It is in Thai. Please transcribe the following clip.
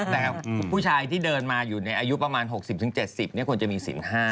แต่ครับผู้ชายที่เดินมาอยู่ในอายุประมาณ๖๐๗๐เนี่ยควรจะมีศิลป์ห้า